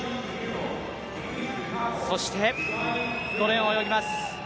そして５レーンを泳ぎます